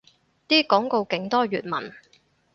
啲廣告勁多粵文